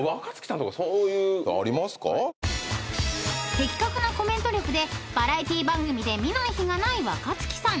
［的確なコメント力でバラエティー番組で見ない日がない若槻さん］